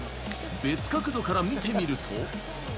別角度から見てみると。